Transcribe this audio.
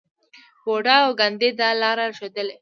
بودا او ګاندي دا لار ښودلې.